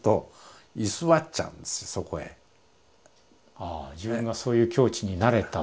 ああ自分がそういう境地になれたっていう。